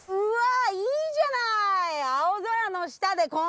Δ錙いいじゃない！